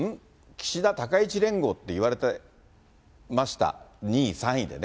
岸田・高市連合って言われてました、２位・３位でね。